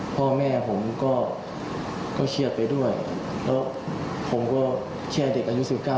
พ่อแม่ผมก็เครียดไปด้วยแล้วผมก็เชื่อเด็กอายุ๑๙